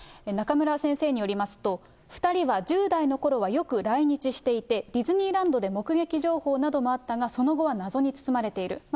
中村先生によりますと、２人は１０代のころはよく来日していて、ディズニーランドで目撃情報などもあったが、その後は謎に包まれている。